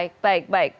baik baik baik